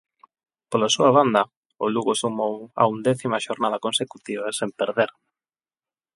Pola súa banda, o Lugo sumou a undécima xornada consecutiva sen perder.